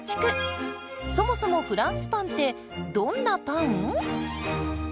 そもそもフランスパンってどんなパン？